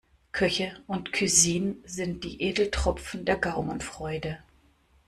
Köche und Cuisine sind die Edeltropfen der Gaumenfreude.